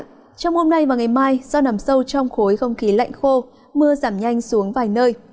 trong hôm nay và ngày mai do nằm sâu trong khối không khí lạnh khô mưa giảm nhanh xuống vài nơi